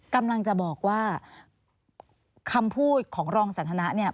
กำลังจะบอกว่าคำพูดของรองสันทนะเนี่ย